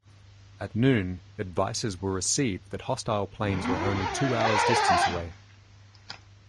At noon advices were received that hostile planes were only two hours' distance away.